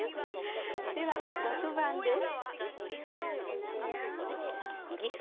では６番です。